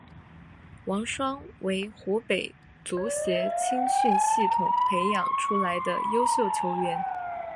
王霜为湖北足协青训系统培养出来的优秀球员。